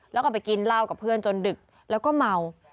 แล้วก็ไปกินเหล้ากับเพื่อนจนดึกแล้วก็เมา